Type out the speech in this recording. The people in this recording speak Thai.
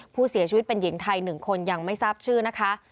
ผู้เสียชีวิตเป็นหญิงไทย๑คนยังไม่ทราบชื่อนะคะ